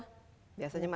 biasanya mereka main gadget